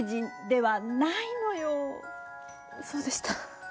そうでした。